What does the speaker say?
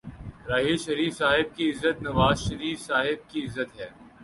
راحیل شریف صاحب کی عزت نوازشریف صاحب کی عزت ہے۔